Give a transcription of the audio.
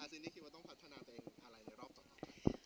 ซินนี่คิดว่าต้องพัฒนาตัวเองอะไรในรอบต่อไป